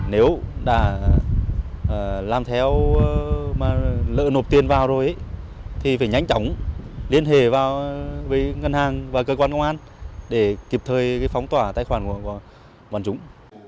nếu đã làm theo mà lỡ nộp tiền vào rồi thì phải nhanh chóng liên hệ vào với ngân hàng và cơ quan công an để kịp thời phóng tỏa tài khoản của bọn chúng